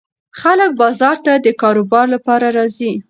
خلک بازار ته د کاروبار لپاره راځي.